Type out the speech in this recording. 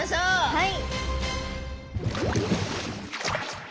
はい。